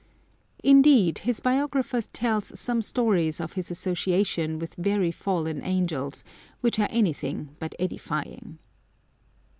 ^ Indeed, his biographer tells some stories of his association with very fallen angels, which are any thing but edifying.